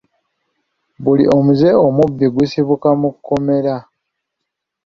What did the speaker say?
Buli omuze omubi gusibuka mu kkomera.